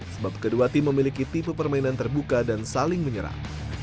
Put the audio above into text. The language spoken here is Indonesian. sebab kedua tim memiliki tipe permainan terbuka dan saling menyerang